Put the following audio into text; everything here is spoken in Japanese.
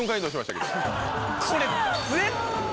これ。